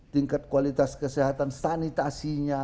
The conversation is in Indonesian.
tingkat kualitas kesehatan sanitasi nya